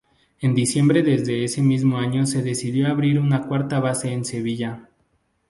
En diciembre de ese mismo año se decidió abrir una cuarta base en Sevilla.